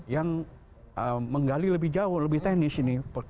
yang menggali lebih jauh lebih teknis ini